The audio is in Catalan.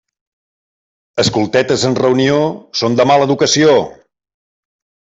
Escoltetes en reunió són de mala educació.